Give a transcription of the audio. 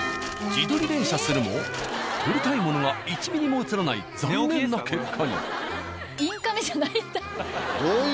自撮り連写するも撮りたいものが１ミリも写らない残念な結果に。